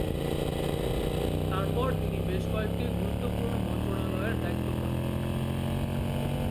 তারপর তিনি বেশ কয়েকটি গুরুত্বপূর্ণ মন্ত্রণালয়ের দায়িত্ব পান।